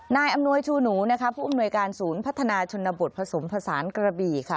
นายอำนวยชูหนูนะคะผู้อำนวยการศูนย์พัฒนาชนบทผสมผสานกระบี่ค่ะ